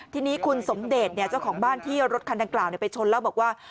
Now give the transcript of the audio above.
ทีนี้คุณสมเดชเนี่ยเจ้าของบ้านที่รถคันทางกล่านเนี้ยไปชนแล้วบอกว่า